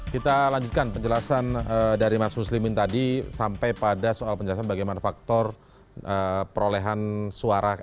kita lanjutkan penjelasan dari mas muslimin tadi sampai pada soal penjelasan bagaimana faktor perolehan suara